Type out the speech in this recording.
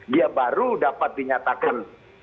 dia baru dapat dinyatakan